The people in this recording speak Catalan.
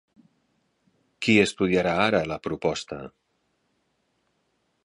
Qui estudiarà ara la proposta?